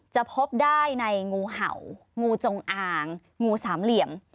จะพบได้ในงูเห่างูจงอ่างงูสามเหลี่ยม